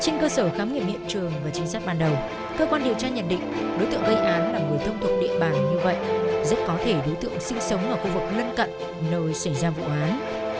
trên cơ sở khám nghiệm hiện trường và trinh sát ban đầu cơ quan điều tra nhận định đối tượng gây án là người thông thuộc địa bàn như vậy rất có thể đối tượng sinh sống ở khu vực lân cận nơi xảy ra vụ án